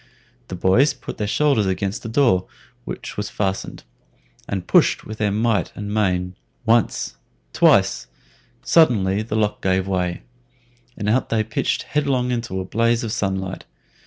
The boys put their shoulders against the door, which was fastened, and pushed with might and main once, twice; suddenly the lock gave way, and out they pitched headlong into a blaze of sunlight.